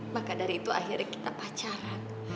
maka dari itu akhirnya kita pacaran